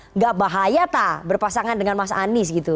enggak bahaya ta berpasangan dengan mas anies gitu